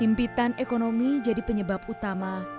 impitan ekonomi jadi penyebab utama